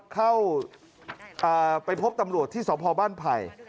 เข้าไปพบตำรวจที่สพบ้านไผ่